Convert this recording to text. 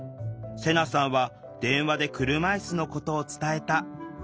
セナさんは電話で車いすのことを伝えた。